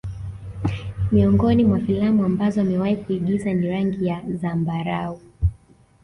Miongoni mwa filamu ambazo amewahi kuigiza ni rangi ya zambarau